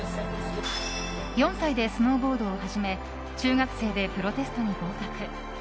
４歳でスノーボードを始め中学生でプロテストに合格。